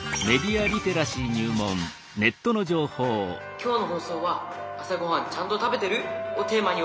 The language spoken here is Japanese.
「今日の放送は『朝ごはんちゃんと食べてる？』をテーマにお送りしました。